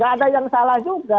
gak ada yang salah juga